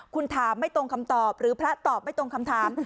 คุณถามไม่ตรงคำตอบหรือพระตอบไม่ตรงคำถาม